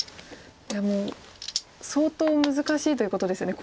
いやもう相当難しいということですよね。